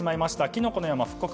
きのこの山復刻